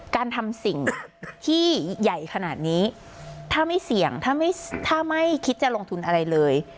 การทำสิ่งที่ใหญ่ขนาดนี้ถ้าไม่เสี่ยงถ้าไม่ถ้าไม่คิดจะลงทุนอะไรเลย